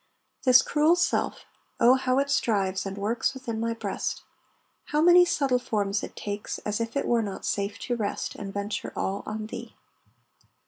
This cruel self, oh how it strives And works within my breast, How many subtle forms it takes As if it were not safe to rest And venture all on Thee."